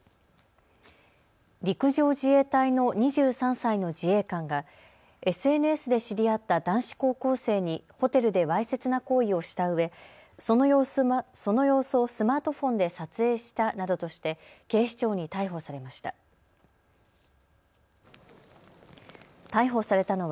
陸上自衛隊の２３歳の自衛官がＳＮＳで知り合った男子高校生にホテルでわいせつな行為をしたうえ、その様子をスマートフォンで撮影したなどとして警視庁に逮捕されました。